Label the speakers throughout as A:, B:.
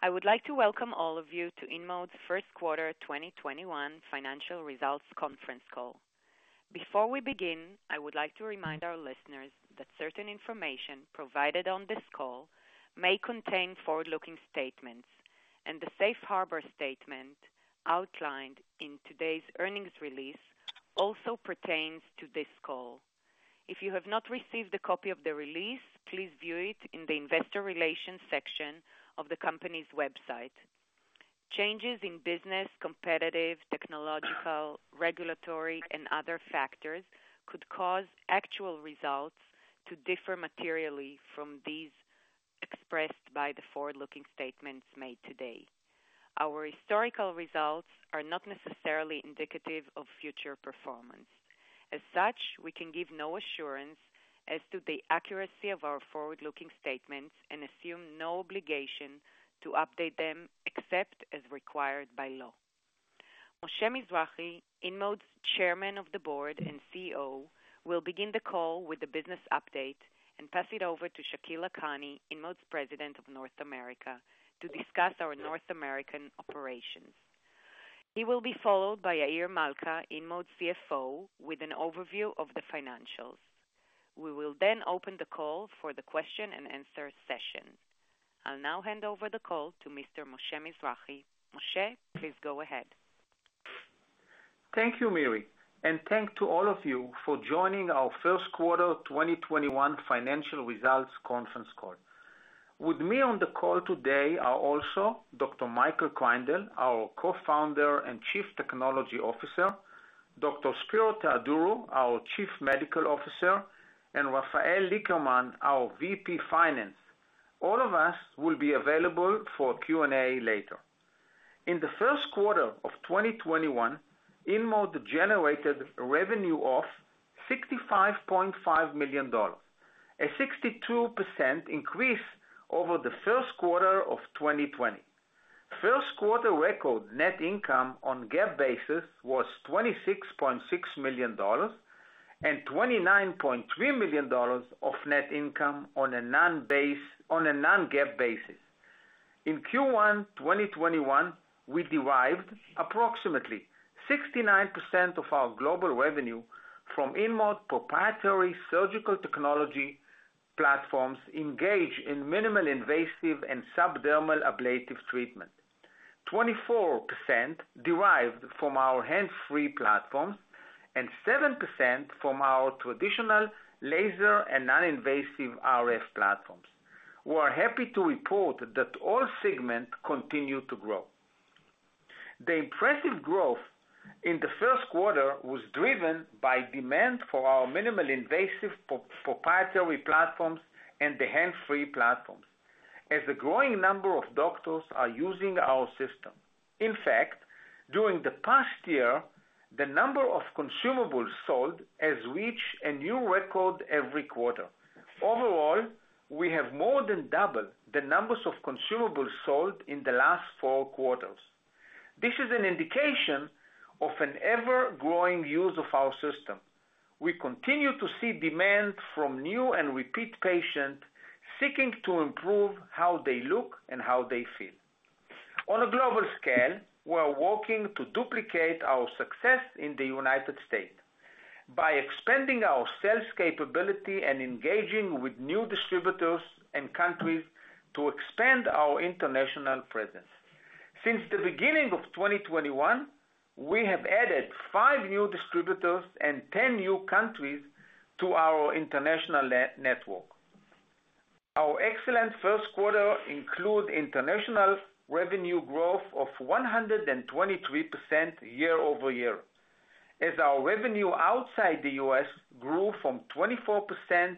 A: I would like to welcome all of you to InMode's first quarter 2021 financial results conference call. Before we begin, I would like to remind our listeners that certain information provided on this call may contain forward-looking statements, and the safe harbor statement outlined in today's earnings release also pertains to this call. If you have not received a copy of the release, please view it in the investor relations section of the company's website. Changes in business, competitive, technological, regulatory, and other factors could cause actual results to differ materially from these expressed by the forward-looking statements made today. Our historical results are not necessarily indicative of future performance. As such, we can give no assurance as to the accuracy of our forward-looking statements and assume no obligation to update them except as required by law. Moshe Mizrahy, InMode's Chairman of the Board and CEO, will begin the call with a business update and pass it over to Shakil Lakhani, InMode's President of North America, to discuss our North American operations. He will be followed by Yair Malca, InMode's CFO, with an overview of the financials. We will then open the call for the question-and-answer session. I'll now hand over the call to Mr. Moshe Mizrahy. Moshe, please go ahead.
B: Thank you, Miri, and thanks to all of you for joining our first quarter 2021 financial results conference call. With me on the call today are also Dr. Michael Kreindel, our Co-founder and Chief Technology Officer, Dr. Spero Theodorou, our Chief Medical Officer, and Rafael Lickerman, our VP Finance. All of us will be available for Q&A later. In the first quarter of 2021, InMode generated revenue of $65.5 million, a 62% increase over the first quarter of 2020. First quarter record net income on GAAP basis was $26.6 million and $29.3 million of net income on a non-GAAP basis. In Q1 2021, we derived approximately 69% of our global revenue from InMode proprietary surgical technology platforms engaged in minimally invasive and subdermal ablative treatment, 24% derived from our hands-free platforms, and 7% from our traditional laser and non-invasive RF platforms. We are happy to report that all segments continue to grow. The impressive growth in the first quarter was driven by demand for our minimally invasive proprietary platforms and the hands-free platforms as a growing number of doctors are using our system. In fact, during the past year, the number of consumables sold has reached a new record every quarter. Overall, we have more than doubled the numbers of consumables sold in the last four quarters. This is an indication of an ever-growing use of our system. We continue to see demand from new and repeat patients seeking to improve how they look and how they feel. On a global scale, we're working to duplicate our success in the United States by expanding our sales capability and engaging with new distributors and countries to expand our international presence. Since the beginning of 2021, we have added five new distributors and 10 new countries to our international network. Our excellent first quarter includes international revenue growth of 123% year-over-year as our revenue outside the U.S. grew from 24%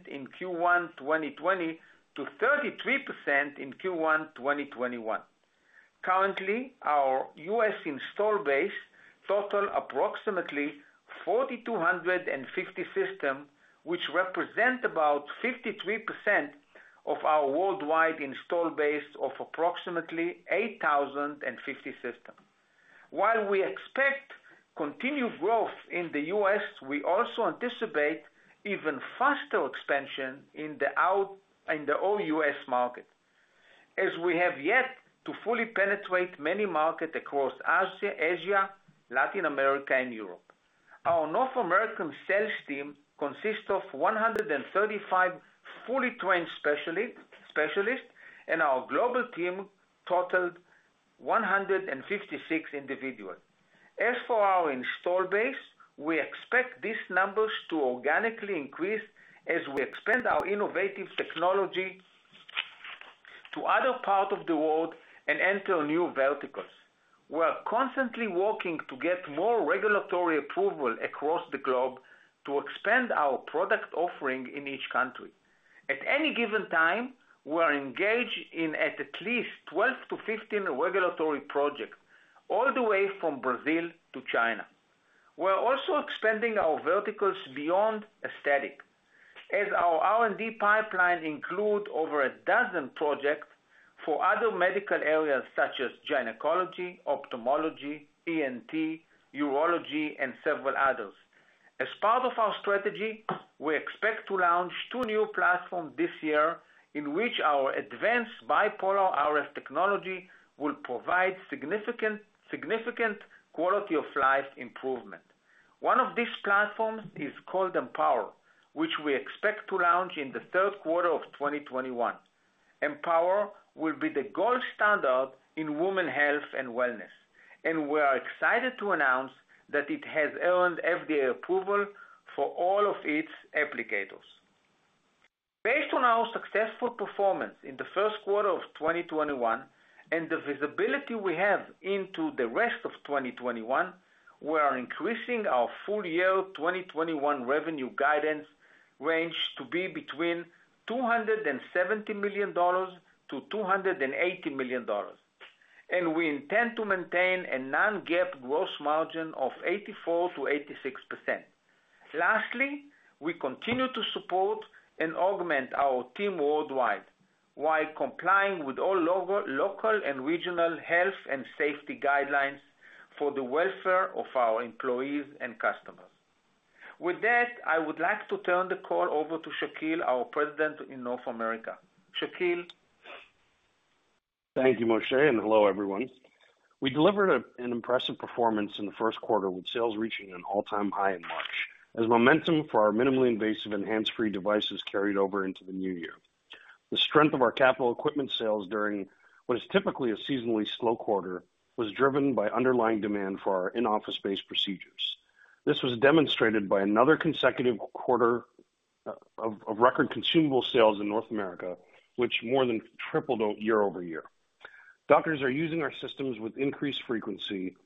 B: in Q1 2020 to 33% in Q1 2021. Currently, our U.S. install base totals approximately 4,250 systems, which represent about 53% of our worldwide install base of approximately 8,050 systems. While we expect continued growth in the U.S., we also anticipate even faster expansion in the OUS market, as we have yet to fully penetrate many markets across Asia, Latin America, and Europe. Our North American sales team consists of 135 fully trained specialists, and our global team totals 156 individuals. As for our install base, we expect these numbers to organically increase as we expand our innovative technology to other parts of the world and enter new verticals. We are constantly working to get more regulatory approval across the globe to expand our product offering in each country. At any given time, we are engaged in at least 12-15 regulatory projects, all the way from Brazil to China. We are also expanding our verticals beyond aesthetic, as our R&D pipeline includes over a dozen projects for other medical areas such as gynecology, ophthalmology, ENT, urology, and several others. As part of our strategy, we expect to launch two new platforms this year, in which our advanced bipolar RF technology will provide significant quality of life improvement. One of these platforms is called EMPOWER, which we expect to launch in the third quarter of 2021. EMPOWER will be the gold standard in women's health and wellness, and we are excited to announce that it has earned FDA approval for all of its applicators. Based on our successful performance in the first quarter of 2021 and the visibility we have into the rest of 2021, we are increasing our full-year 2021 revenue guidance range to be between $270 million-$280 million, and we intend to maintain a non-GAAP gross margin of 84%-86%. Lastly, we continue to support and augment our team worldwide while complying with all local and regional health and safety guidelines for the welfare of our employees and customers. With that, I would like to turn the call over to Shakil, our President in North America. Shakil?
C: Thank you, Moshe. Hello, everyone. We delivered an impressive performance in the first quarter, with sales reaching an all-time high in March, as momentum for our minimally invasive hands-free devices carried over into the new year. The strength of our capital equipment sales during what is typically a seasonally slow quarter was driven by underlying demand for our in-office-based procedures. This was demonstrated by another consecutive quarter of record consumable sales in North America, which more than tripled year-over-year. Doctors are using our systems with increased frequency,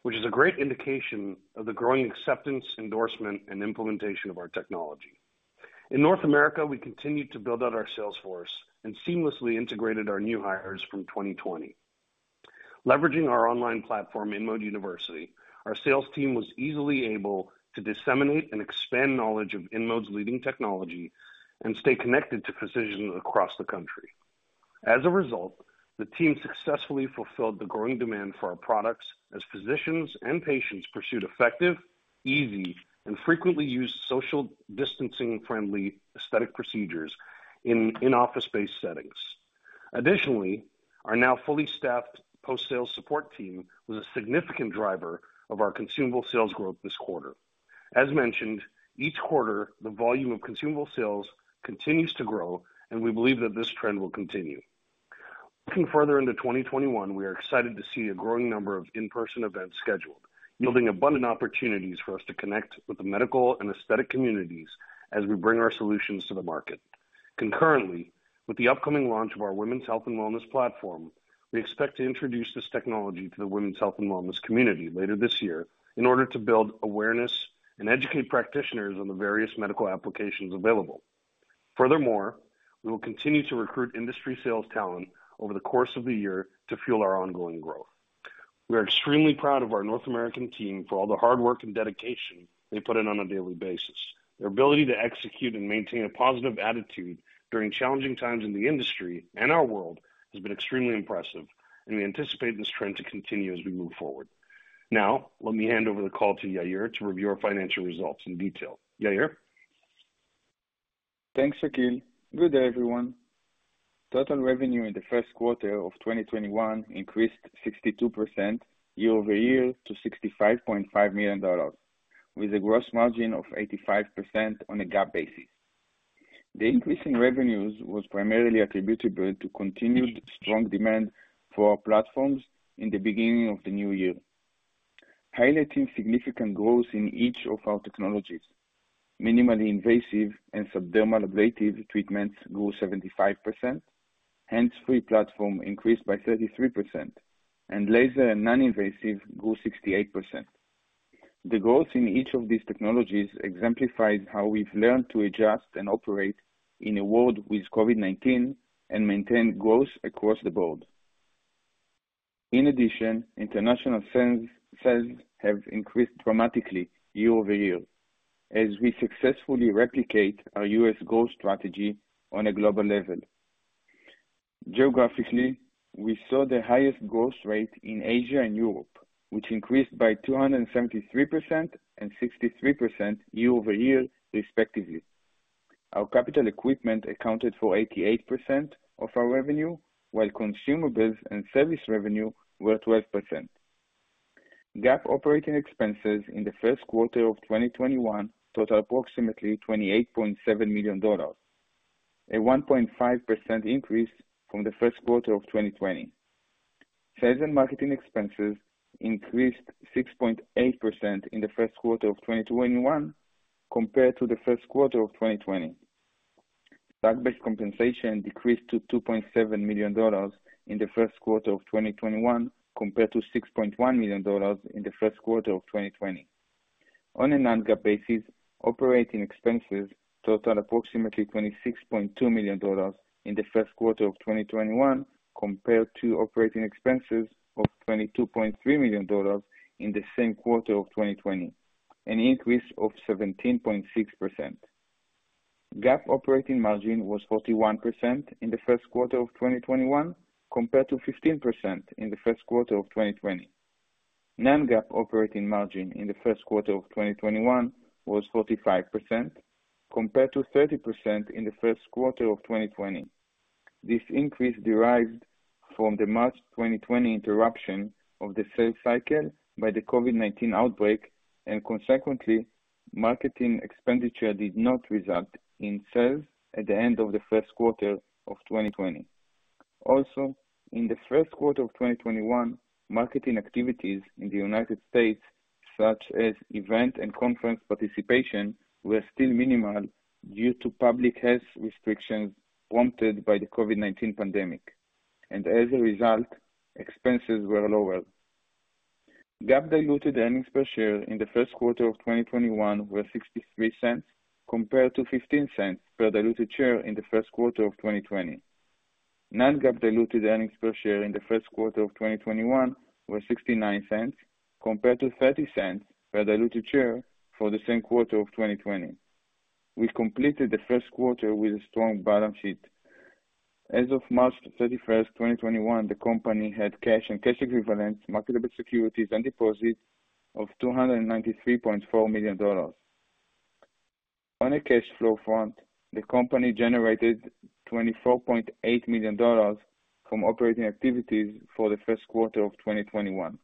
C: which is a great indication of the growing acceptance, endorsement, and implementation of our technology. In North America, we continued to build out our sales force and seamlessly integrated our new hires from 2020. Leveraging our online platform, InMode University, our sales team was easily able to disseminate and expand knowledge of InMode's leading technology and stay connected to physicians across the country. As a result, the team successfully fulfilled the growing demand for our products as physicians and patients pursued effective, easy, and frequently used social distancing-friendly aesthetic procedures in in-office-based settings. Additionally, our now fully staffed post-sales support team was a significant driver of our consumable sales growth this quarter. As mentioned, each quarter, the volume of consumable sales continues to grow, and we believe that this trend will continue. Looking further into 2021, we are excited to see a growing number of in-person events scheduled, yielding abundant opportunities for us to connect with the medical and aesthetic communities as we bring our solutions to the market. Concurrently, with the upcoming launch of our women's health and wellness platform, we expect to introduce this technology to the women's health and wellness community later this year in order to build awareness and educate practitioners on the various medical applications available. Furthermore, we will continue to recruit industry sales talent over the course of the year to fuel our ongoing growth. We are extremely proud of our North American team for all the hard work and dedication they put in on a daily basis. Their ability to execute and maintain a positive attitude during challenging times in the industry and our world has been extremely impressive, and we anticipate this trend to continue as we move forward. Now, let me hand over the call to Yair to review our financial results in detail. Yair?
D: Thanks, Shakil. Good day, everyone. Total revenue in the first quarter of 2021 increased 62% year-over-year to $65.5 million, with a gross margin of 85% on a GAAP basis. The increase in revenues was primarily attributable to continued strong demand for our platforms in the beginning of the new year, highlighting significant growth in each of our technologies. Minimally invasive and subdermal ablative treatments grew 75%, hands-free platform increased by 33%, and laser and non-invasive grew 68%. The growth in each of these technologies exemplifies how we've learned to adjust and operate in a world with COVID-19 and maintain growth across the board. In addition, international sales have increased dramatically year-over-year as we successfully replicate our U.S. growth strategy on a global level. Geographically, we saw the highest growth rate in Asia and Europe, which increased by 273% and 63% year-over-year, respectively. Our capital equipment accounted for 88% of our revenue, while consumables and service revenue were 12%. GAAP operating expenses in the first quarter of 2021 totaled approximately $28.7 million, a 1.5% increase from the first quarter of 2020. Sales and marketing expenses increased 6.8% in the first quarter of 2021 compared to the first quarter of 2020. Stock-based compensation decreased to $2.7 million in the first quarter of 2021, compared to $6.1 million in the first quarter of 2020. On a non-GAAP basis, operating expenses totaled approximately $26.2 million in the first quarter of 2021, compared to operating expenses of $22.3 million in the same quarter of 2020, an increase of 17.6%. GAAP operating margin was 41% in the first quarter of 2021, compared to 15% in the first quarter of 2020. Non-GAAP operating margin in the first quarter of 2021 was 45%, compared to 30% in the first quarter of 2020. This increase derived from the March 2020 interruption of the sales cycle by the COVID-19 outbreak, and consequently, marketing expenditure did not result in sales at the end of the first quarter of 2020. Also, in the first quarter of 2021, marketing activities in the United States, such as event and conference participation, were still minimal due to public health restrictions prompted by the COVID-19 pandemic, and as a result, expenses were lower. GAAP diluted earnings per share in the first quarter of 2021 were $0.63, compared to $0.15 per diluted share in the first quarter of 2020. Non-GAAP diluted earnings per share in the first quarter of 2021 were $0.69, compared to $0.30 per diluted share for the same quarter of 2020. We completed the first quarter with a strong balance sheet. As of March 31st, 2021, the company had cash and cash equivalents, marketable securities, and deposits of $293.4 million. On a cash flow front, the company generated $24.8 million from operating activities for the first quarter of 2021.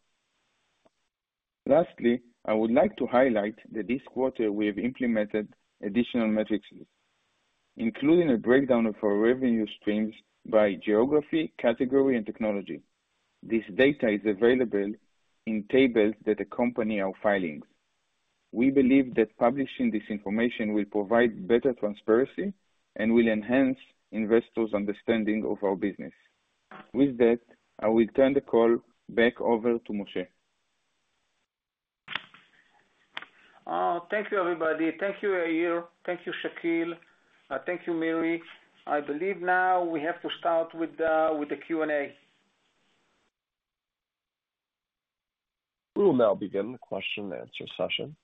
D: Lastly, I would like to highlight that this quarter we have implemented additional metrics, including a breakdown of our revenue streams by geography, category, and technology. This data is available in tables that accompany our filings. We believe that publishing this information will provide better transparency and will enhance investors' understanding of our business. With that, I will turn the call back over to Moshe.
B: Thank you, everybody. Thank you, Yair. Thank you, Shakil. Thank you, Miri. I believe now we have to start with the Q&A.
E: We will now begin the question and answer session.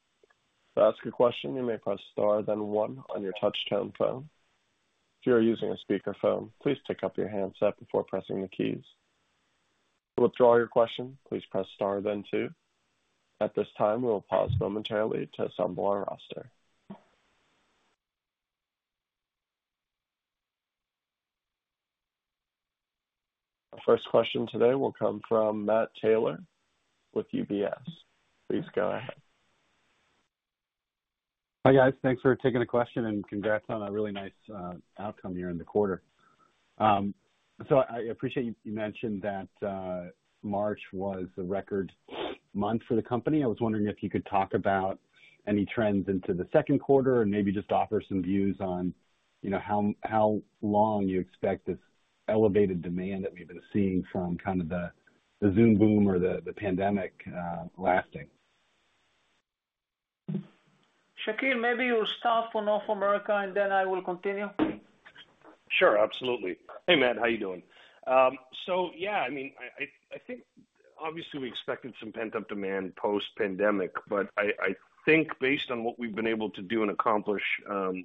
E: To ask a question you may press star then one on your touchtone phone. If you are using a speaker phone please take your hands up before pressing any keys. To withdraw your question please press star then two. At this time we would pause momentarily to assemble our roster. Our first question today will come from Matt Taylor with UBS. Please go ahead.
F: Hi, guys. Thanks for taking the question and congrats on a really nice outcome here in the quarter. I appreciate you mentioned that March was the record month for the company. I was wondering if you could talk about any trends into the second quarter or maybe just offer some views on how long you expect this elevated demand that we've been seeing from kind of the Zoom boom or the pandemic lasting.
B: Shakil, maybe you start for North America, and then I will continue.
C: Sure, absolutely. Hey, Matt, how you doing? Yeah, I think obviously we expected some pent-up demand post-pandemic, but I think based on what we've been able to do and accomplish, there's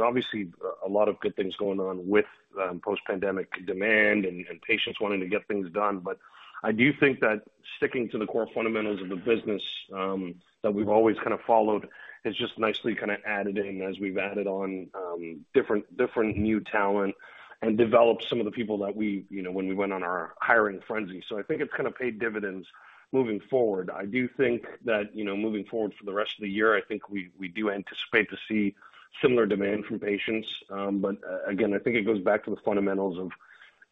C: obviously a lot of good things going on with post-pandemic demand and patients wanting to get things done, but I do think that sticking to the core fundamentals of the business that we've always kind of followed has just nicely kind of added in as we've added on different new talent and developed some of the people that when we went on our hiring frenzy. I think it's kind of paid dividends moving forward. I do think that moving forward for the rest of the year, I think we do anticipate to see similar demand from patients. Again, I think it goes back to the fundamentals of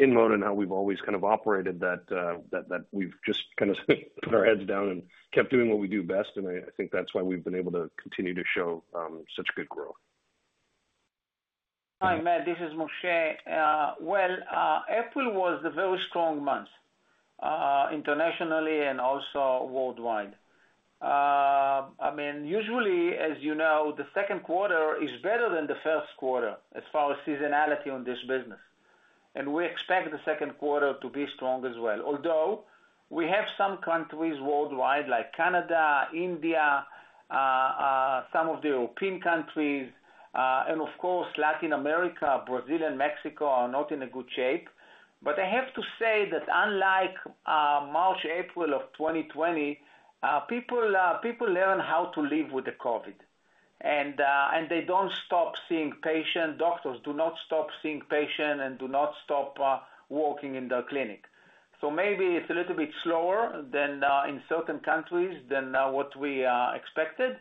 C: InMode and how we've always kind of operated that we've just kind of put our heads down and kept doing what we do best, and I think that's why we've been able to continue to show such good growth.
B: Hi, Matt. This is Moshe. Well, April was a very strong month, internationally and also worldwide. Usually, as you know, the second quarter is better than the first quarter as far as seasonality on this business, and we expect the second quarter to be strong as well. We have some countries worldwide like Canada, India, some of the European countries, and of course, Latin America, Brazil, and Mexico are not in a good shape. I have to say that unlike March, April of 2020, people learn how to live with the COVID. They don't stop seeing patients. Doctors do not stop seeing patients and do not stop working in the clinic. Maybe it's a little bit slower in certain countries than what we expected.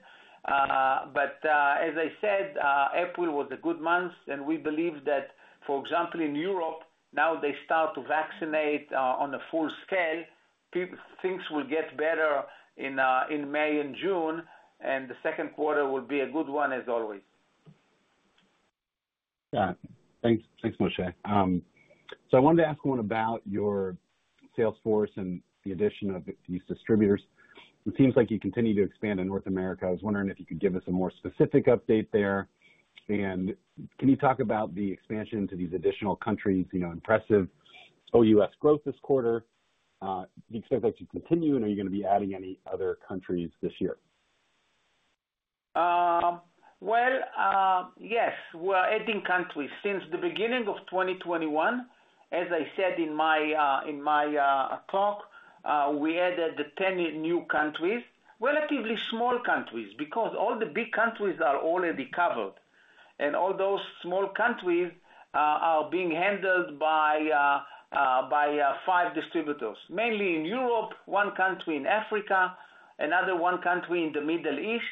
B: As I said, April was a good month, and we believe that, for example, in Europe now they start to vaccinate on a full scale. Things will get better in May and June, and the second quarter will be a good one as always.
F: Got it. Thanks, Moshe. I wanted to ask one about your sales force and the addition of these distributors. It seems like you continue to expand in North America. I was wondering if you could give us a more specific update there. Can you talk about the expansion to these additional countries? Impressive growth this quarter, do you expect that to continue, and are you going to be adding any other countries this year?
B: Well, yes. We're adding countries. Since the beginning of 2021, as I said in my talk, we added 10 new countries, relatively small countries, because all the big countries are already covered. All those small countries are being handled by five distributors, mainly in Europe, one country in Africa, another one country in the Middle East.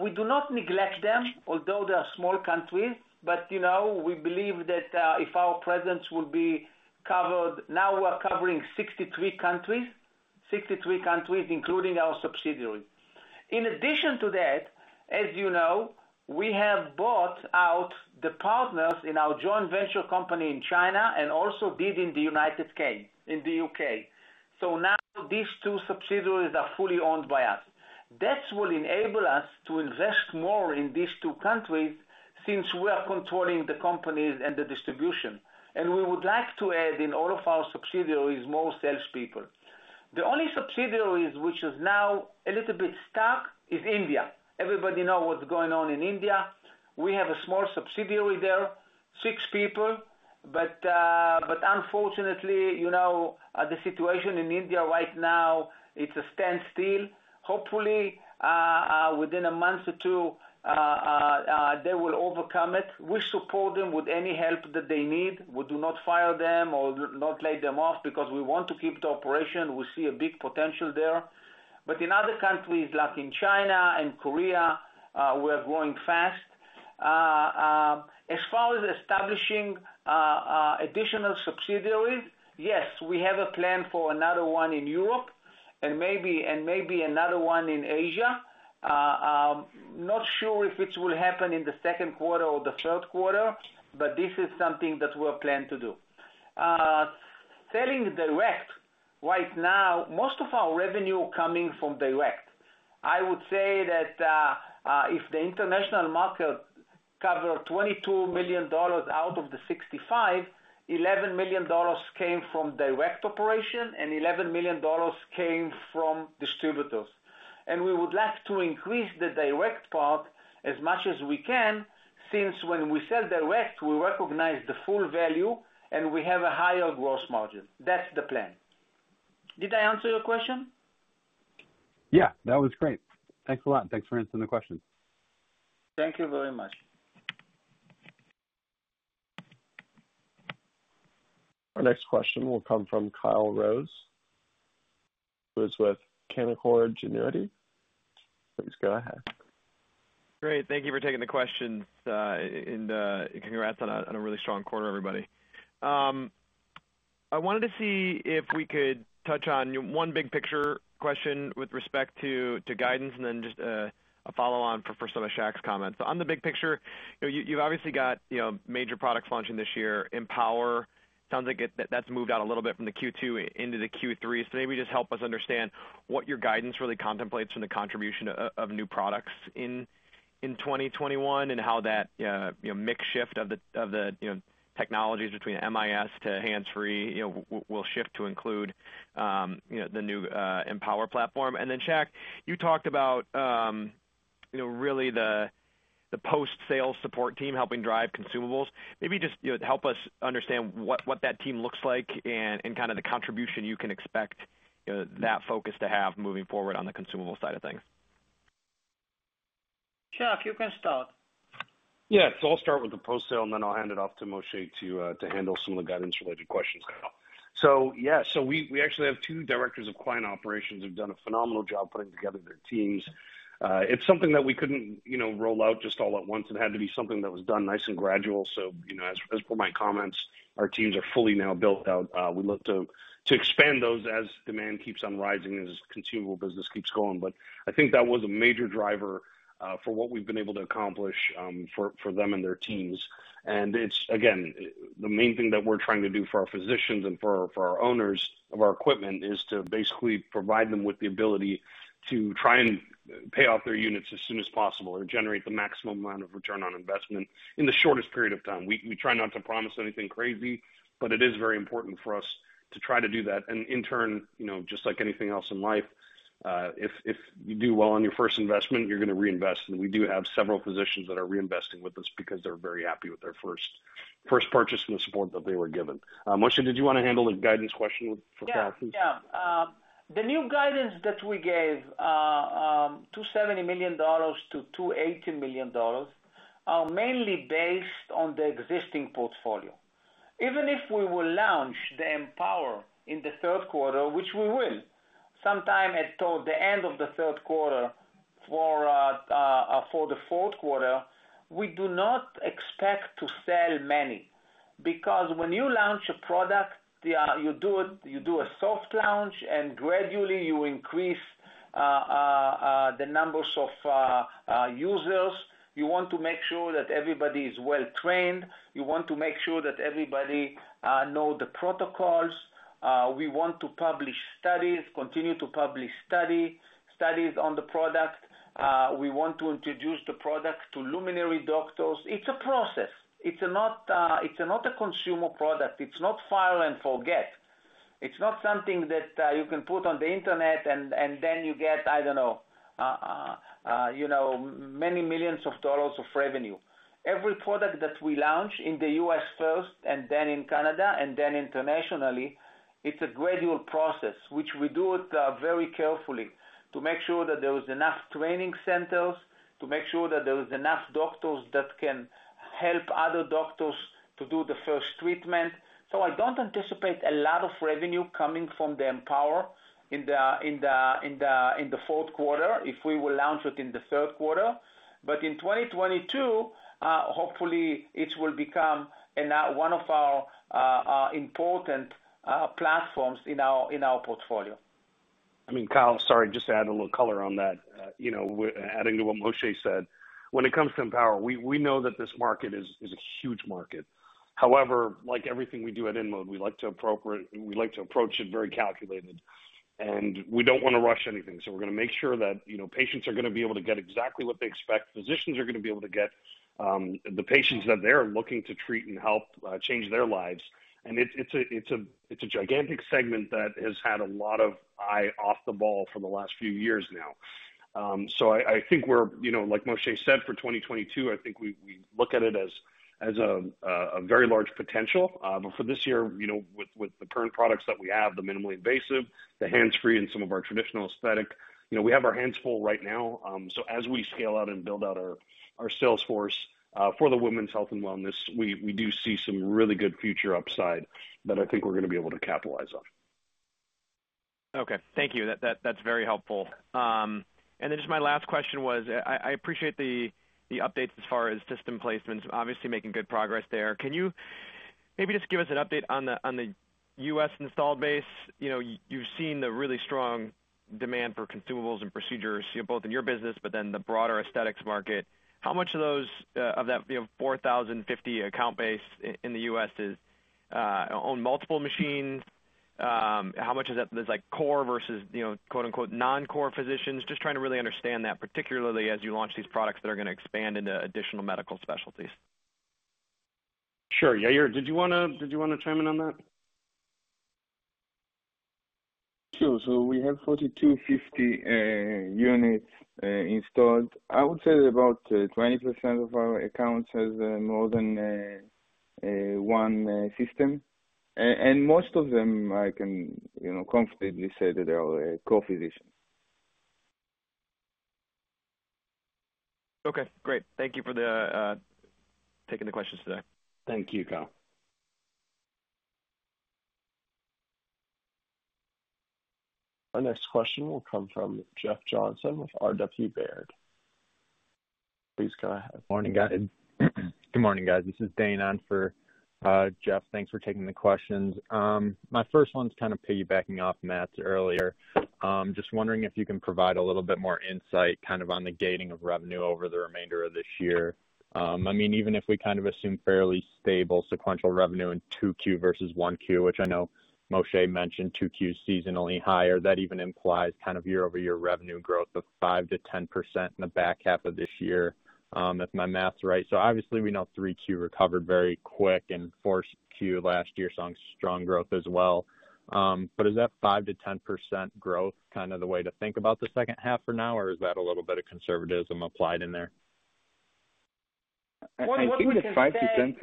B: We do not neglect them, although they are small countries, but we believe that if our presence will be covered. Now we are covering 63 countries, including our subsidiaries. In addition to that, as you know, we have bought out the partners in our joint venture company in China and also did in the United Kingdom, in the U.K. Now these two subsidiaries are fully owned by us. That will enable us to invest more in these two countries since we are controlling the companies and the distribution. We would like to add, in all of our subsidiaries, more salespeople. The only subsidiary which is now a little bit stuck is India. Everybody know what's going on in India. We have a small subsidiary there, six people. Unfortunately, the situation in India right now, it's a standstill. Hopefully, within a month or two, they will overcome it. We support them with any help that they need. We do not fire them or not lay them off because we want to keep the operation. We see a big potential there. In other countries, like in China and Korea, we're growing fast. As far as establishing additional subsidiaries, yes, we have a plan for another one in Europe and maybe another one in Asia. Not sure if it will happen in the second quarter or the third quarter, but this is something that we'll plan to do. Selling direct, right now, most of our revenue coming from direct. I would say that, if the international market cover $22 million out of the $65 million, $11 million came from direct operation and $11 million came from distributors. We would like to increase the direct part as much as we can, since when we sell direct, we recognize the full value, and we have a higher gross margin. That's the plan. Did I answer your question?
F: Yeah, that was great. Thanks a lot. Thanks for answering the question.
B: Thank you very much.
E: Our next question will come from Kyle Rose, who is with Canaccord Genuity. Please go ahead.
G: Great. Thank you for taking the questions, and congrats on a really strong quarter, everybody. I wanted to see if we could touch on one big picture question with respect to guidance and then just a follow-on first on Shak's comment. On the big picture, you've obviously got major products launching this year. Empower sounds like that's moved out a little bit from the Q2 into the Q3. Maybe just help us understand what your guidance really contemplates from the contribution of new products in 2021 and how that mix shift of the technologies between MIS to hands-free will shift to include the new Empower platform. Then Shak, you talked about really the post-sale support team helping drive consumables. Maybe just help us understand what that team looks like and kind of the contribution you can expect that focus to have moving forward on the consumable side of things.
B: Shak, you can start.
C: Yeah. I'll start with the post-sale, and then I'll hand it off to Moshe to handle some of the guidance-related questions. Yeah, we actually have two directors of client operations who've done a phenomenal job putting together their teams. It's something that we couldn't roll out just all at once. It had to be something that was done nice and gradual. As per my comments, our teams are fully now built out. We look to expand those as demand keeps on rising, as consumable business keeps going. I think that was a major driver for what we've been able to accomplish for them and their teams. It's, again, the main thing that we're trying to do for our physicians and for our owners of our equipment is to basically provide them with the ability to try and pay off their units as soon as possible or generate the maximum amount of return on investment in the shortest period of time. We try not to promise anything crazy, but it is very important for us to try to do that. In turn, just like anything else in life, if you do well on your first investment, you're going to reinvest, and we do have several physicians that are reinvesting with us because they're very happy with their first purchase and the support that they were given. Moshe, did you want to handle the guidance question for Kyle too?
B: Yeah. The new guidance that we gave, $270 million-$280 million, are mainly based on the existing portfolio. Even if we will launch the EmpowerRF in the third quarter, which we will, sometime towards the end of the third quarter for the fourth quarter, we do not expect to sell many because when you launch a product, you do a soft launch and gradually you increase the numbers of users. You want to make sure that everybody is well-trained. You want to make sure that everybody know the protocols. We want to publish studies, continue to publish studies on the product. We want to introduce the product to luminary doctors. It's a process. It's not a consumer product. It's not file and forget. It's not something that you can put on the internet and then you get, I don't know, many millions of dollars of revenue. Every product that we launch in the U.S. first and then in Canada and then internationally, it's a gradual process, which we do it very carefully to make sure that there is enough training centers, to make sure that there is enough doctors that can help other doctors to do the first treatment. I don't anticipate a lot of revenue coming from the EmpowerRF in the fourth quarter if we will launch it in the third quarter. In 2022, hopefully it will become one of our important platforms in our portfolio.
C: I mean, Kyle, sorry, just to add a little color on that. Adding to what Moshe said, when it comes to Empower, we know that this market is a huge market. However, like everything we do at InMode, we like to approach it very calculated, and we don't want to rush anything. We're going to make sure that patients are going to be able to get exactly what they expect. Physicians are going to be able to get the patients that they're looking to treat and help change their lives, and it's a gigantic segment that has had a lot of eye off the ball for the last few years now. I think we're, like Moshe said, for 2020, I think we look at it as a very large potential. For this year, with the current products that we have, the minimally invasive, the hands-free, and some of our traditional aesthetic, we have our hands full right now. As we scale out and build out our sales force for the women's health and wellness, we do see some really good future upside that I think we're going to be able to capitalize on.
G: Okay. Thank you. That's very helpful. Just my last question was, I appreciate the updates as far as system placements. Obviously making good progress there. Can you maybe just give us an update on the U.S. installed base? You've seen the really strong demand for consumables and procedures, both in your business but then the broader aesthetics market. How much of that 4,050 account base in the U.S. own multiple machines? How much of that is core versus, quote-unquote, "non-core" physicians? Just trying to really understand that, particularly as you launch these products that are going to expand into additional medical specialties.
C: Sure. Yair, did you want to chime in on that?
D: Sure. We have 4,250 units installed. I would say about 20% of our accounts has more than one system. Most of them, I can confidently say that they are core physicians.
G: Okay, great. Thank you for taking the questions today.
B: Thank you, Kyle.
E: Our next question will come from Jeff Johnson with RW Baird. Please go ahead.
H: Good morning, guys. This is Dane on for Jeff. Thanks for taking the questions. My first one's kind of piggybacking off Matt's earlier. Just wondering if you can provide a little bit more insight on the gating of revenue over the remainder of this year. Even if we assume fairly stable sequential revenue in Q2 versus Q1, which I know Moshe mentioned Q2 seasonally higher, that even implies year-over-year revenue growth of 5%-10% in the back half of this year, if my math's right. Obviously we know Q3 recovered very quick and Q4 last year saw strong growth as well. Is that 5%-10% growth kind of the way to think about the second half for now, or is that a little bit of conservatism applied in there?
B: What we can say.
D: I think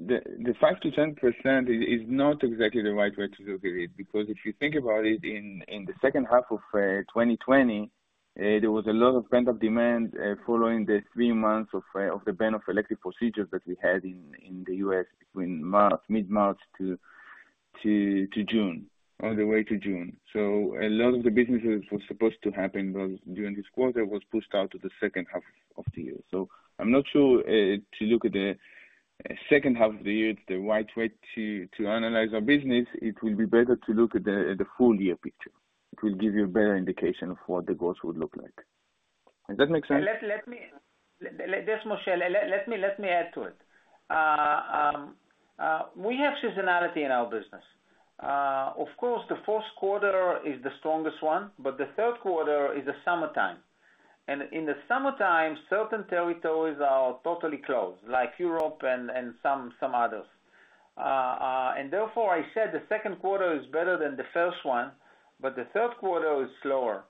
D: the 5%-10% is not exactly the right way to look at it, because if you think about it, in the H2 of 2020, there was a lot of pent-up demand following the three months of the ban of elective procedures that we had in the U.S. between mid-March to June, all the way to June. A lot of the businesses were supposed to happen during this quarter was pushed out to the H2 of the year. I'm not sure to look at the H2 of the year, it's the right way to analyze our business. It will be better to look at the full year picture. It will give you a better indication of what the growth would look like. Does that make sense?
B: This is Moshe. Let me add to it. We have seasonality in our business. Of course, the fourth quarter is the strongest one, the third quarter is the summertime. In the summertime, certain territories are totally closed, like Europe and some others. I said the second quarter is better than the first one, the third quarter is slower.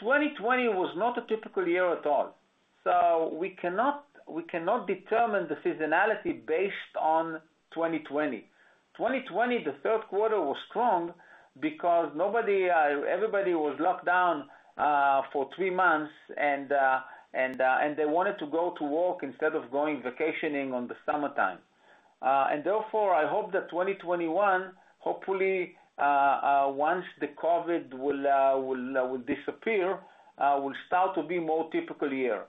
B: 2020 was not a typical year at all. We cannot determine the seasonality based on 2020. 2020, the third quarter was strong because everybody was locked down for three months, they wanted to go to work instead of going vacationing on the summertime. I hope that 2021, hopefully, once the COVID will disappear, will start to be more typical year.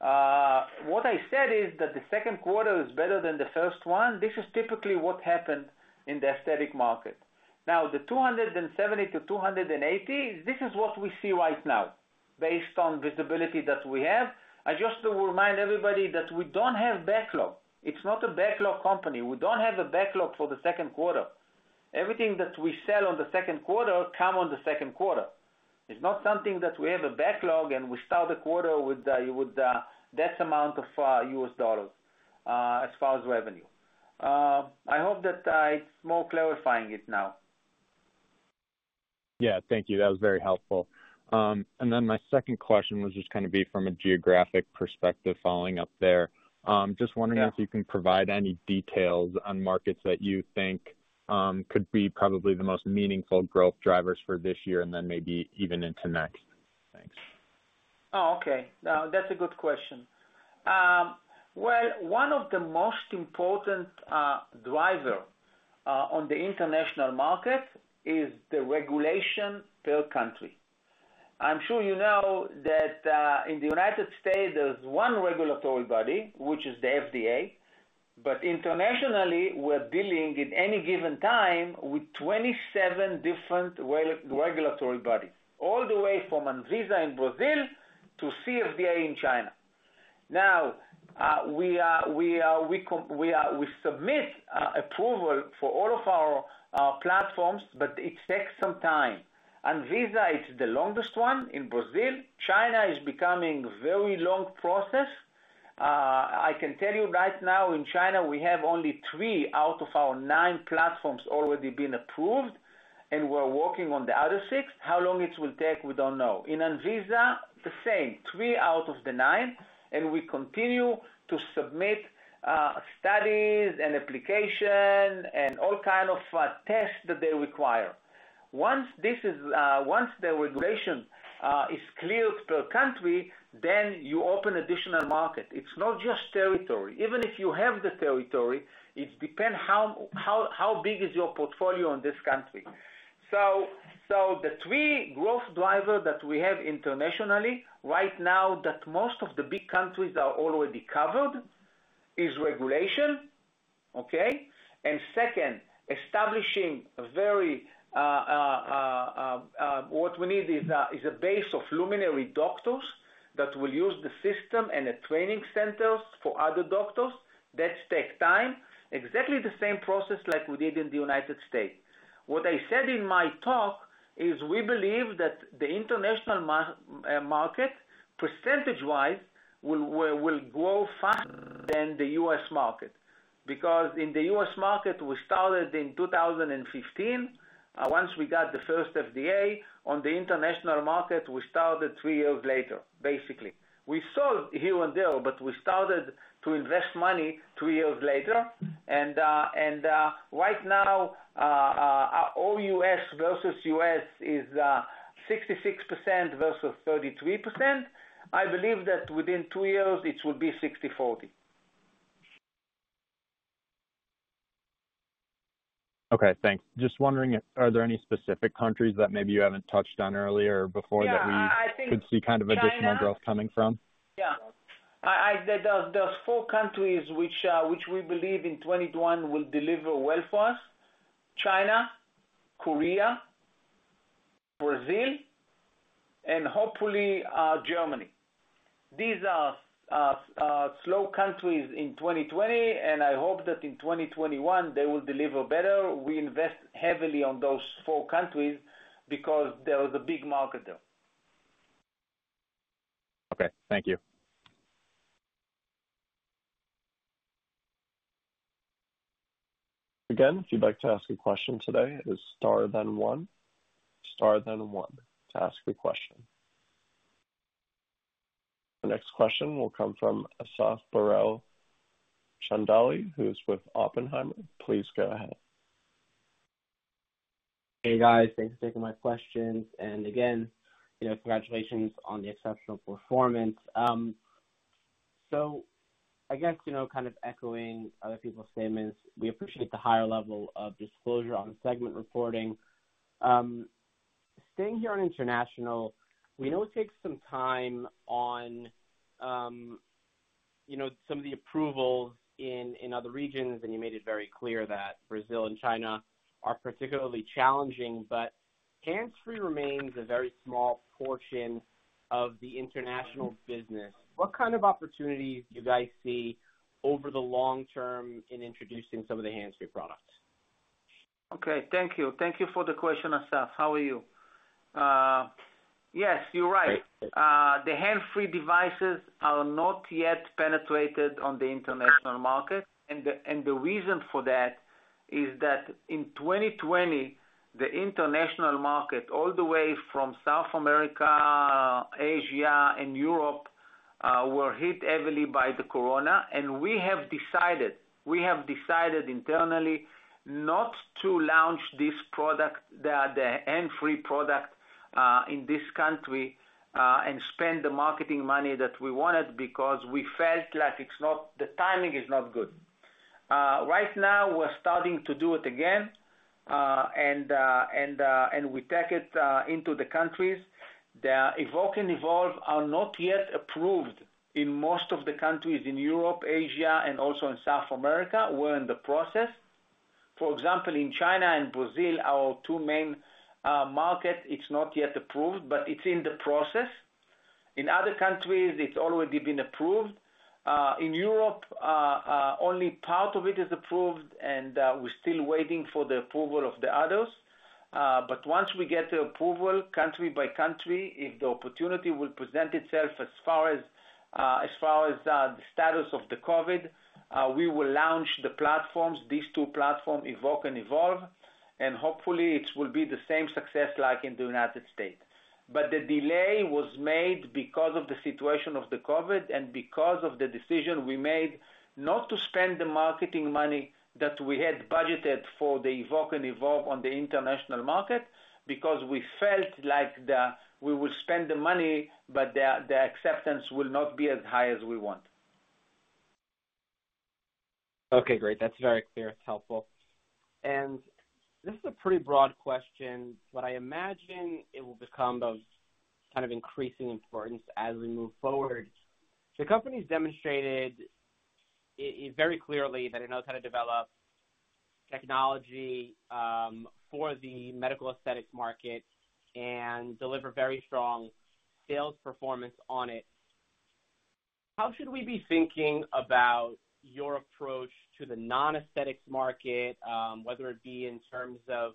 B: What I said is that the second quarter is better than the first one. This is typically what happened in the aesthetic market. The $270-$280, this is what we see right now based on visibility that we have. I just will remind everybody that we don't have backlog. It's not a backlog company. We don't have a backlog for the second quarter. Everything that we sell on the second quarter come on the second quarter. It's not something that we have a backlog, and we start the quarter with that amount of US dollars as far as revenue. I hope that it's more clarifying it now.
H: Yeah. Thank you. That was very helpful. My second question was just going to be from a geographic perspective following up there. Just wondering if you can provide any details on markets that you think could be probably the most meaningful growth drivers for this year, and then maybe even into next. Thanks.
B: No, that's a good question. Well, one of the most important driver on the international market is the regulation per country. I am sure you know that in the United States, there is one regulatory body, which is the FDA, but internationally, we are dealing in any given time with 27 different regulatory bodies, all the way from ANVISA in Brazil to CFDA in China. We submit approval for all of our platforms, but it takes some time. ANVISA is the longest one in Brazil. China is becoming very long process. I can tell you right now in China, we have only three out of our nine platforms already been approved, and we are working on the other six. How long it will take, we do not know. In ANVISA, the same. Three out of the nine, we continue to submit studies and application and all kind of tests that they require. Once the regulation is cleared per country, you open additional market. It is not just territory. Even if you have the territory, it depends how big is your portfolio in this country. The three growth driver that we have internationally right now that most of the big countries are already covered is regulation, okay. Second, establishing a base of luminary doctors that will use the system and the training centers for other doctors. That take time. Exactly the same process like we did in the U.S. What I said in my talk is we believe that the international market, percentage-wise, will grow faster than the U.S. market because in the U.S. market, we started in 2015. Once we got the first FDA on the international market, we started three years later, basically. We sold here and there, but we started to invest money three years later. Right now, our OUS versus U.S. is 66% versus 33%. I believe that within two years, it will be 60/40.
H: Okay, thanks. Just wondering, are there any specific countries that maybe you haven't touched on earlier or before that we could see additional growth coming from?
B: Yeah. There are four countries which we believe in 2021 will deliver well for us, China, Korea, Brazil, and hopefully, Germany. These are slow countries in 2020, and I hope that in 2021, they will deliver better. We invest heavily on those four countries because there is a big market there.
H: Okay. Thank you.
E: Again, if you'd like to ask a question today, it is star then one. Star then one to ask a question. The next question will come from Asaf Barel Chandali, who's with Oppenheimer. Please go ahead.
I: Hey, guys. Thanks for taking my questions. Again, congratulations on the exceptional performance. I guess, kind of echoing other people's statements, we appreciate the higher level of disclosure on segment reporting. Staying here on international, we know it takes some time on some of the approvals in other regions, and you made it very clear that Brazil and China are particularly challenging, but hands-free remains a very small portion of the international business. What kind of opportunities do you guys see over the long term in introducing some of the hands-free products?
B: Okay. Thank you. Thank you for the question, Asaf. How are you? Yes, you're right. The hands-free devices are not yet penetrated on the international market, and the reason for that is that in 2020, the international market, all the way from South America, Asia, and Europe, were hit heavily by the corona, and we have decided internally not to launch this product, the hands-free product, in this country, and spend the marketing money that we wanted because we felt like the timing is not good. Right now, we're starting to do it again, and we take it into the countries. The Evoke and Evolve are not yet approved in most of the countries in Europe, Asia, and also in South America. We're in the process. For example, in China and Brazil, our two main markets, it's not yet approved, but it's in the process. In other countries, it's already been approved. In Europe, only part of it is approved and we're still waiting for the approval of the others. Once we get the approval country by country, if the opportunity will present itself as far as the status of the COVID, we will launch the platforms, these two platforms, Evoke and Evolve, and hopefully it will be the same success like in the United States. The delay was made because of the situation of the COVID and because of the decision we made not to spend the marketing money that we had budgeted for the Evoke and Evolve on the international market, because we felt like we would spend the money, but the acceptance will not be as high as we want.
I: Okay, great. That's very clear. It's helpful. This is a pretty broad question, but I imagine it will become of kind of increasing importance as we move forward. The company's demonstrated very clearly that it knows how to develop technology for the medical aesthetics market and deliver very strong sales performance on it. How should we be thinking about your approach to the non-aesthetics market? Whether it be in terms of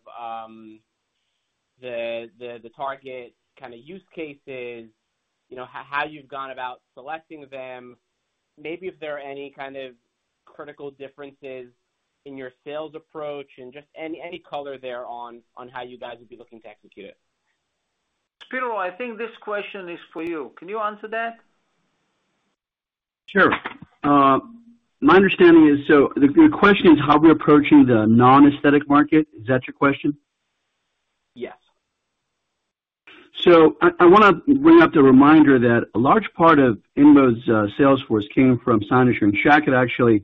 I: the target kind of use cases, how you've gone about selecting them, maybe if there are any kind of critical differences in your sales approach and just any color there on how you guys would be looking to execute it?
B: Spero, I think this question is for you. Can you answer that?
J: Sure. My understanding is, the question is how we're approaching the non-aesthetic market. Is that your question?
I: Yes.
J: I want to bring up the reminder that a large part of InMode's sales force came from Cynosure, and Shak can actually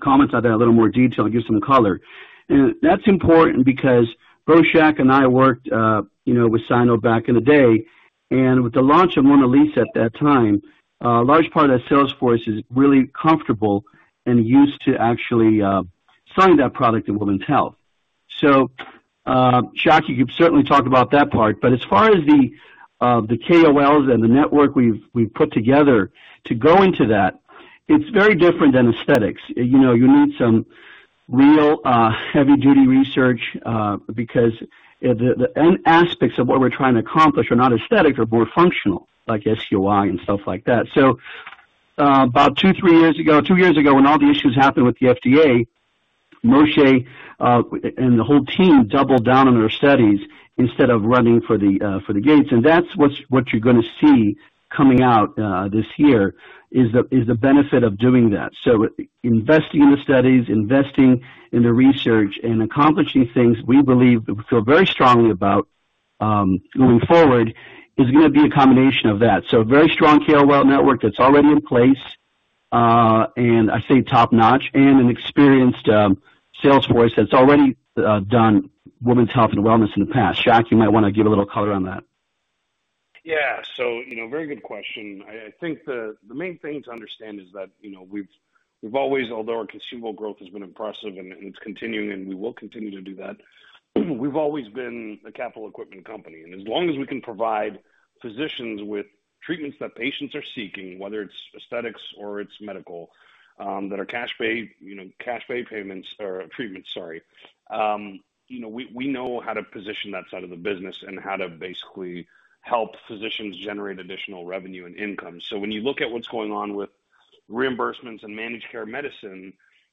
J: comment on that in a little more detail and give some color. That's important because both Shak and I worked with Cyno back in the day, and with the launch of MonaLisa at that time, a large part of that sales force is really comfortable and used to actually selling that product in women's health. Shak, you can certainly talk about that part, but as far as the KOLs and the network we've put together to go into that, it's very different than aesthetics. You need some real heavy-duty research, because the end aspects of what we're trying to accomplish are not aesthetic, they're more functional, like UI and stuff like that. About two, three years ago, two years ago, when all the issues happened with the FDA, Moshe and the whole team doubled down on their studies instead of running for the gates. That's what you're going to see coming out this year, is the benefit of doing that. Investing in the studies, investing in the research and accomplishing things we believe, that we feel very strongly about going forward, is going to be a combination of that. A very strong KOL network that's already in place, and I say top-notch, and an experienced sales force that's already done women's health and wellness in the past. Shak, you might want to give a little color on that.
C: Yeah. Very good question. I think the main thing to understand is that we've always, although our consumable growth has been impressive and it's continuing and we will continue to do that, we've always been a capital equipment company. As long as we can provide physicians with treatments that patients are seeking, whether it's aesthetics or it's medical, that are cash-pay treatments. We know how to position that side of the business and how to basically help physicians generate additional revenue and income. When you look at what's going on with reimbursements and managed care medicine,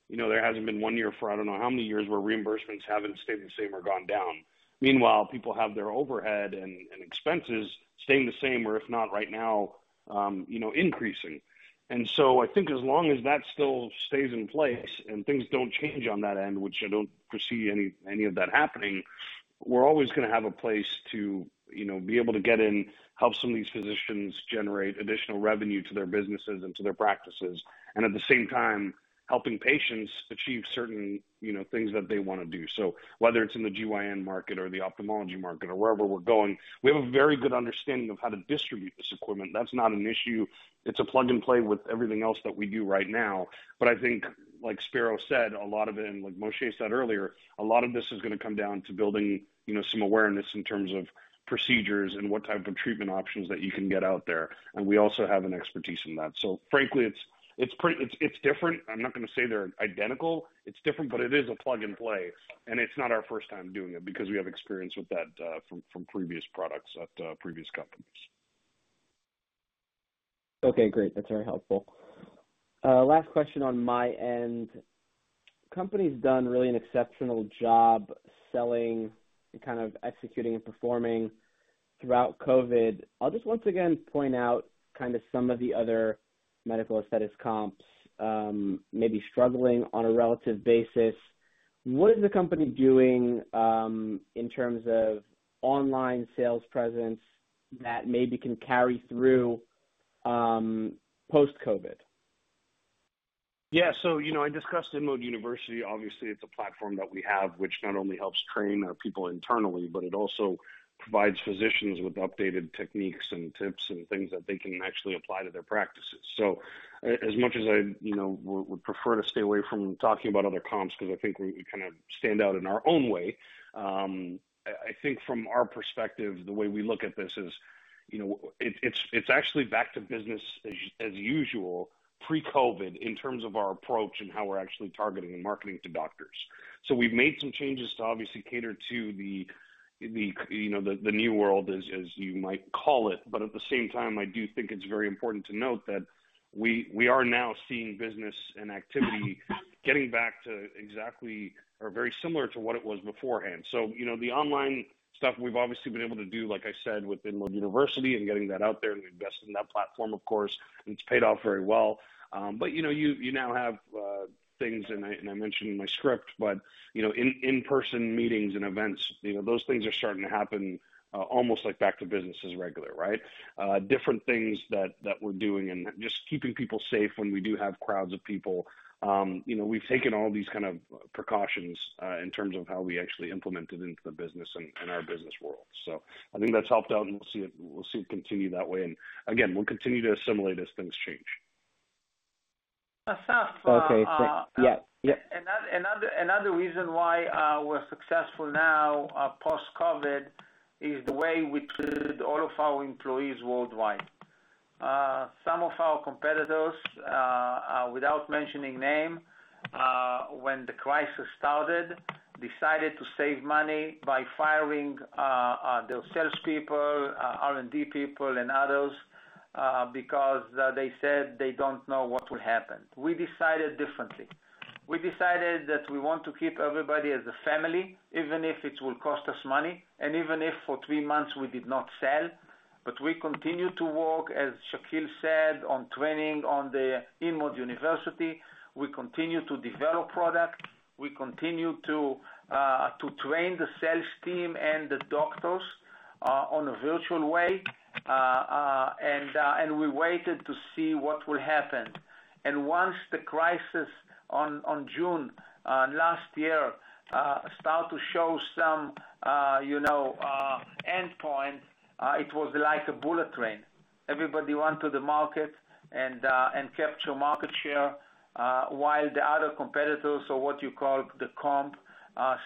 C: there hasn't been one year for I don't know how many years, where reimbursements haven't stayed the same or gone down. Meanwhile, people have their overhead and expenses staying the same or if not right now, increasing. I think as long as that still stays in place and things don't change on that end, which I don't foresee any of that happening, we're always going to have a place to be able to get in, help some of these physicians generate additional revenue to their businesses and to their practices. At the same time, helping patients achieve certain things that they want to do. Whether it's in the GYN market or the ophthalmology market or wherever we're going, we have a very good understanding of how to distribute this equipment. That's not an issue. It's a plug-and-play with everything else that we do right now. I think, like Spero said, a lot of it, and like Moshe said earlier, a lot of this is going to come down to building some awareness in terms of procedures and what type of treatment options that you can get out there. We also have an expertise in that. Frankly, it's different. I'm not going to say they're identical. It's different, but it is a plug-and-play, and it's not our first time doing it because we have experience with that from previous products at previous companies.
I: Okay, great. That's very helpful. Last question on my end. Company's done really an exceptional job selling and kind of executing and performing throughout COVID. I'll just once again point out kind of some of the other medical aesthetics comps maybe struggling on a relative basis. What is the company doing, in terms of online sales presence that maybe can carry through, post-COVID?
C: I discussed InMode University. Obviously, it's a platform that we have, which not only helps train our people internally, but it also provides physicians with updated techniques and tips and things that they can actually apply to their practices. As much as I would prefer to stay away from talking about other comps, because I think we kind of stand out in our own way, I think from our perspective, the way we look at this is, it's actually back to business as usual pre-COVID in terms of our approach and how we're actually targeting and marketing to doctors. We've made some changes to obviously cater to the new world, as you might call it. At the same time, I do think it's very important to note that we are now seeing business and activity getting back to exactly or very similar to what it was beforehand. The online stuff we've obviously been able to do, like I said, with InMode University and getting that out there and investing in that platform, of course, and it's paid off very well. You now have things, and I mentioned in my script, but in-person meetings and events, those things are starting to happen, almost like back to business as regular, right. Different things that we're doing and just keeping people safe when we do have crowds of people. We've taken all these kind of precautions, in terms of how we actually implement it into the business and our business world. I think that's helped out, and we'll see it continue that way. Again, we'll continue to assimilate as things change.
B: Asaf?
I: Okay, great. Yeah.
B: Another reason why we're successful now, post-COVID, is the way we treated all of our employees worldwide. Some of our competitors, without mentioning name, when the crisis started, decided to save money by firing their salespeople, R&D people, and others, because they said they don't know what will happen. We decided differently. We decided that we want to keep everybody as a family, even if it will cost us money, even if for three months we did not sell. We continued to work, as Shakil said, on training on the InMode University. We continued to develop products. We continued to train the sales team and the doctors on a virtual way. We waited to see what will happen. Once the crisis on June last year, start to show some endpoint, it was like a bullet train. Everybody went to the market and capture market share, while the other competitors, or what you call the comp,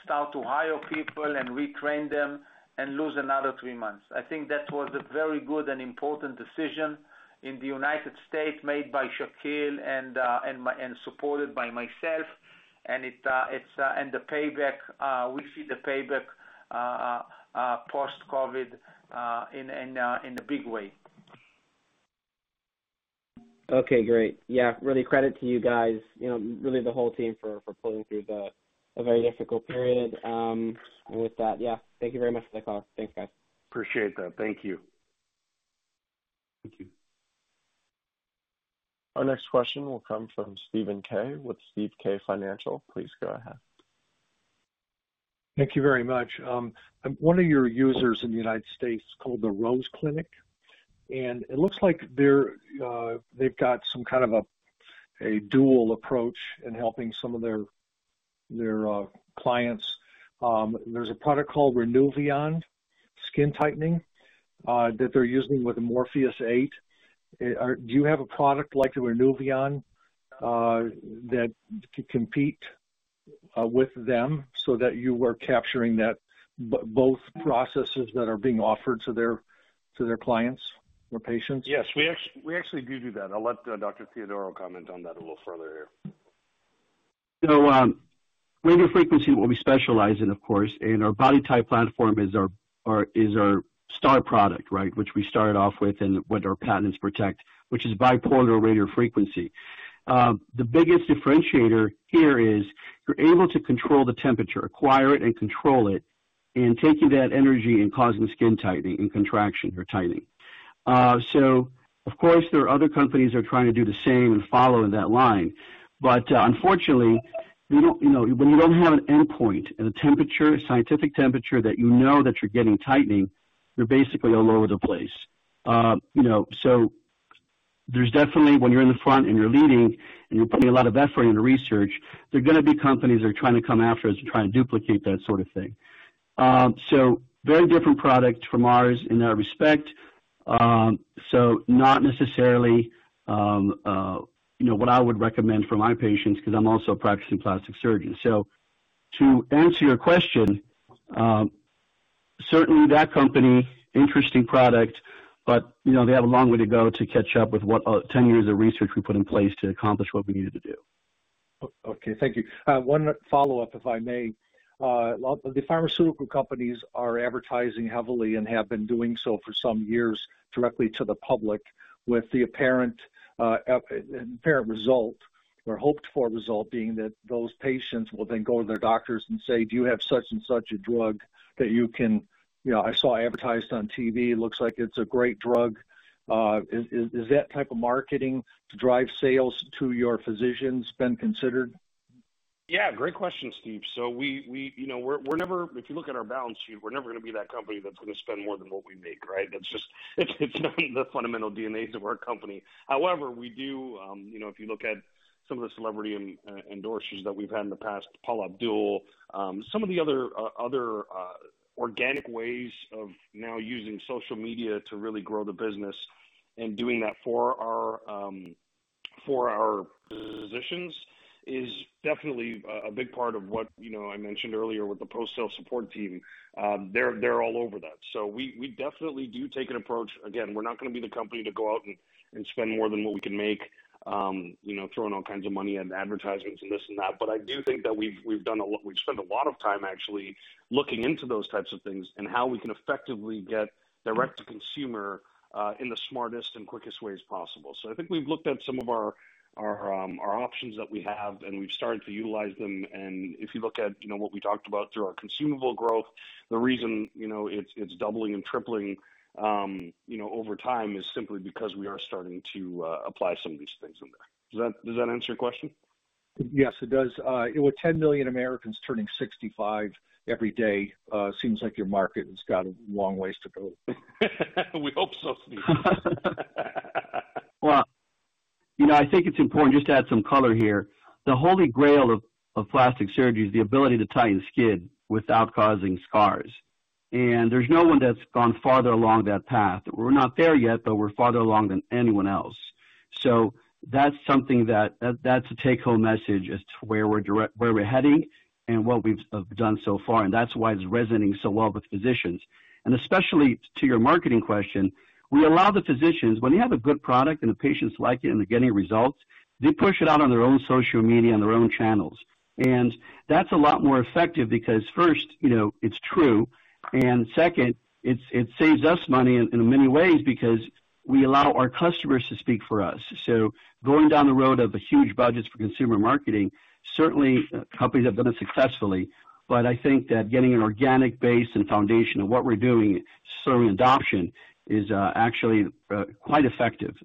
B: start to hire people and retrain them and lose another three months. I think that was a very good and important decision in the United States made by Shakil and supported by myself. The payback, we see the payback post-COVID, in a big way.
I: Okay, great. Yeah. Really credit to you guys, really the whole team for pulling through a very difficult period. With that, yeah. Thank you very much for the call. Thanks, guys.
C: Appreciate that. Thank you.
J: Thank you.
E: Our next question will come from Steven Kay with Steve Kay Financial. Please go ahead.
K: Thank you very much. One of your users in the U.S. is called the Rose Clinic, and it looks like they've got some kind of a dual approach in helping some of their clients. There's a product called Renuvion, skin tightening, that they're using with Morpheus8. Do you have a product like the Renuvion, that could compete with them so that you are capturing that both processes that are being offered to their clients or patients?
C: Yes. We actually do that. I'll let Dr. Theodorou comment on that a little further here.
J: Radiofrequency, what we specialize in, of course, and our BodyTite platform is our star product, which we started off with and what our patents protect, which is bipolar radiofrequency. The biggest differentiator here is you're able to control the temperature, acquire it and control it, and taking that energy and causing skin tightening and contraction or tightening. Of course, there are other companies that are trying to do the same and follow in that line. Unfortunately, when you don't have an endpoint and a scientific temperature that you know that you're getting tightening, you're basically all over the place. There's definitely, when you're in the front and you're leading and you're putting a lot of effort into research, there are going to be companies that are trying to come after us and trying to duplicate that sort of thing. Very different product from ours in that respect. Not necessarily what I would recommend for my patients because I'm also a practicing plastic surgeon. To answer your question, certainly that company, interesting product, but they have a long way to go to catch up with what 10 years of research we put in place to accomplish what we needed to do.
K: Okay. Thank you. One follow-up, if I may. The pharmaceutical companies are advertising heavily and have been doing so for some years directly to the public with the apparent result or hoped-for result being that those patients will then go to their doctors and say, "Do you have such and such a drug that you can I saw advertised on TV, looks like it's a great drug." Is that type of marketing to drive sales to your physicians been considered?
C: Great question, Steven Kay. If you look at our balance sheet, we're never going to be that company that's going to spend more than what we make, right? It's not in the fundamental DNA of our company. However, if you look at some of the celebrity endorsers that we've had in the past, Paula Abdul, some of the other organic ways of now using social media to really grow the business and doing that for our physicians is definitely a big part of what I mentioned earlier with the post-sale support team. They're all over that. We definitely do take an approach. Again, we're not going to be the company to go out and spend more than what we can make, throwing all kinds of money at advertisements and this and that. I do think that we've spent a lot of time actually looking into those types of things and how we can effectively get direct to consumer, in the smartest and quickest ways possible. I think we've looked at some of our options that we have, and we've started to utilize them. If you look at what we talked about through our consumable growth, the reason it's doubling and tripling over time is simply because we are starting to apply some of these things in there. Does that answer your question?
K: Yes, it does. With 10 million Americans turning 65 every day, seems like your market has got a long ways to go.
C: We hope so, Steve.
J: I think it's important just to add some color here. The holy grail of plastic surgery is the ability to tighten skin without causing scars. There's no one that's gone farther along that path. We're not there yet, but we're farther along than anyone else. That's a take-home message as to where we're heading and what we've done so far, and that's why it's resonating so well with physicians. Especially to your marketing question, we allow the physicians, when they have a good product and the patients like it and they're getting results, they push it out on their own social media, on their own channels. That's a lot more effective because first, it's true, and second, it saves us money in many ways because we allow our customers to speak for us. Going down the road of huge budgets for consumer marketing, certainly companies have done it successfully. I think that getting an organic base and foundation of what we're doing, serving adoption, is actually quite effective.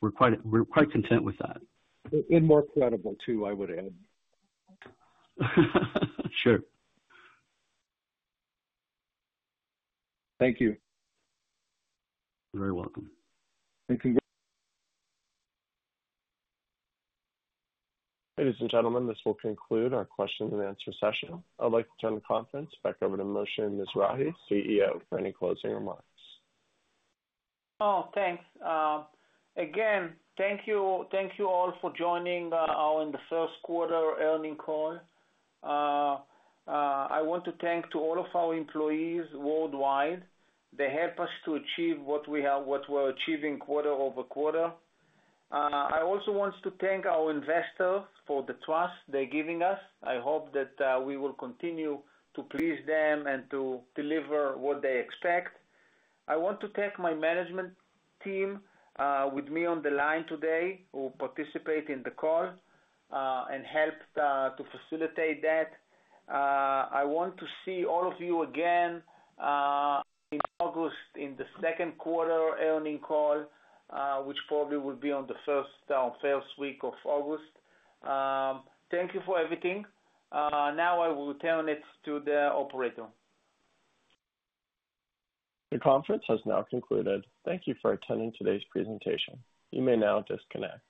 J: We're quite content with that.
K: More credible, too, I would add.
J: Sure.
K: Thank you.
J: You're very welcome.
K: Thank you.
E: Ladies and gentlemen, this will conclude our question and answer session. I'd like to turn the conference back over to Moshe Mizrahy, CEO, for any closing remarks.
B: Oh, thanks. Again, thank you all for joining our first quarter earnings call. I want to thank to all of our employees worldwide. They help us to achieve what we're achieving quarter-over-quarter. I also want to thank our investors for the trust they're giving us. I hope that we will continue to please them and to deliver what they expect. I want to thank my management team with me on the line today who participate in the call, and helped to facilitate that. I want to see all of you again, in August in the second quarter earnings call, which probably will be on the first week of August. Thank you for everything. Now I will turn it to the operator.
E: The conference has now concluded. Thank you for attending today's presentation. You may now disconnect.